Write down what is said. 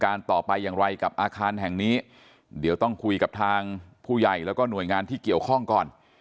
ต่อไปอย่างไรกับอาคารแห่งนี้เดี๋ยวต้องคุยกับทางผู้ใหญ่แล้วก็หน่วยงานที่เกี่ยวข้องก่อน